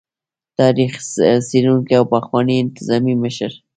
تاريخ څيړونکي او پخواني انتظامي مشر